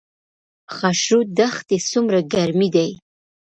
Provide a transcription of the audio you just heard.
خاشرود دښتې څومره ګرمې دي؟